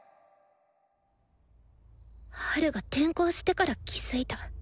ハルが転校してから気付いた。